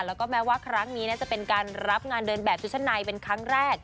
แล้วก็แม้ว่าครั้งนี้จะเป็นการรับงานเดินแบบชุดชั้นในเป็นครั้งแรก